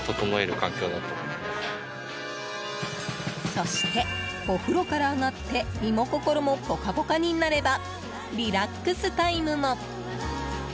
そして、お風呂から上がって身も心もポカポカになればリラックスタイムも。